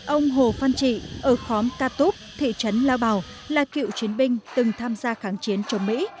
ông hồ văn trị ở khóm ta túc thị trấn lao bào là cựu chiến binh từng tham gia kháng chiến trong mỹ